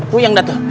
tuyang dah tuh